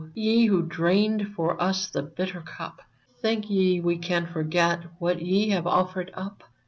ye who drained for us the bitter cup, Think ye we can forget what ye have offered up